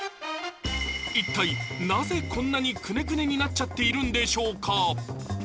一体なぜこんなにクネクネになっちゃっているんでしょうか。